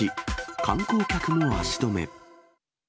観光客も足止め。